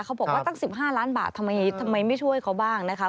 เขาบอกว่าตั้ง๑๕ล้านบาททำไมไม่ช่วยเขาบ้างนะคะ